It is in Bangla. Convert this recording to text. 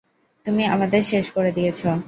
তুমি আমাদের শেষ করে দিয়েছ!